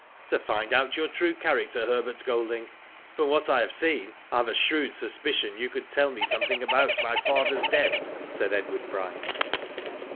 " To find out your true character, Herbert Golding. From what I have seen I have a shrewd suspicion you could tell me something about my father^s death," said Edward Bryce.